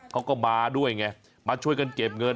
เขาก็มาด้วยไงมาช่วยกันเก็บเงิน